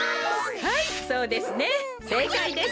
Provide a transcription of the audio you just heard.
はいそうですねせいかいです。